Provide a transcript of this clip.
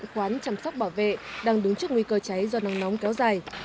các khoán chăm sóc bảo vệ đang đứng trước nguy cơ cháy do nắng nóng kéo dài